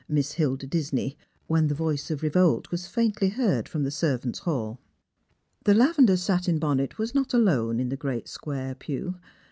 Miss Hilda Disney, when the voice of revolt \was faintly heard from the servants' hall. The lavender satin bonnet was not alone in the great square pew.